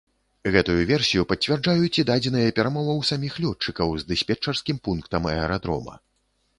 Гэтую версію пацвярджаюць і дадзеныя перамоваў саміх лётчыкаў з дыспетчарскім пунктам аэрадрома.